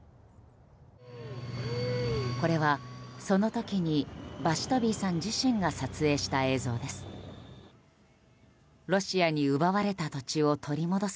これは、その時にバシトビーさん自身が撮影した映像です。